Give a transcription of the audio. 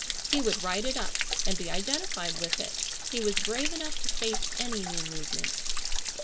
He would write it up and be identified with it. He was brave enough to face any new movement.